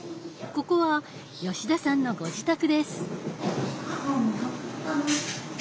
ここは吉田さんのご自宅です。